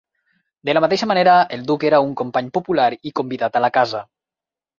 De la mateixa manera, el duc era un company popular i convidat a la casa.